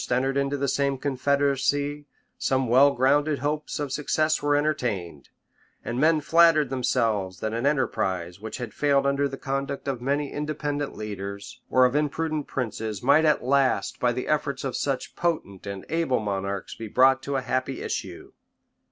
entered into the same confederacy, some well grounded hopes of success were entertained; and men flattered themselves that an enterprise, which had failed under the conduct of many independent leaders, or of imprudent princes, might at last, by the efforts of such potent and able monarchs, be brought to a happy issue.